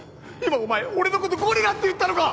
今お前俺のことゴリラって言ったのか！